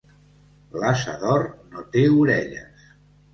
L'ase d'or no té orelles.